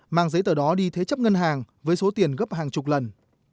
mang giấy tờ đó đi thế chấp ngân hàng với số tiền gấp hàng chục lần